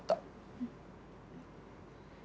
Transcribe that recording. うん。